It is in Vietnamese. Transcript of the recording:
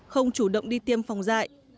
không chủ động đi tiêm phòng dại